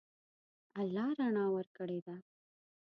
الله رڼا ورکړې ده.